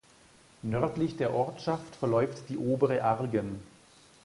Nördlich der Ortschaft verläuft die Obere Argen.